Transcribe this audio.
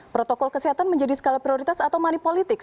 protokol kesehatan menjadi skala prioritas atau manipolitik